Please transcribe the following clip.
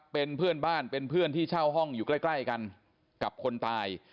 เป็นเพื่อนบ้านเป็นเพื่อนที่เช่าห้องอยู่ใกล้กันกับคนตาย